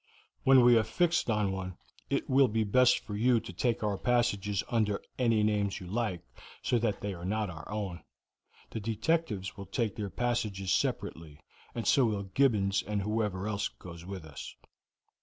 When we have fixed on one, it will be best for you to take our passages under any names you like, so that they are not our own. The detectives will take their passages separately, and so will Gibbons and whoever else goes with us."